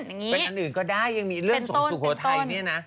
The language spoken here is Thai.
เป็นอันอื่นก็ได้ยังมีเรื่องของสุโขทัยเนี่ยนะ